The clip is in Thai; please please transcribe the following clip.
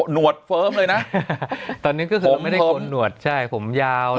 หวดเฟิร์มเลยนะตอนนี้ก็คือไม่ได้ชนหนวดใช่ผมยาว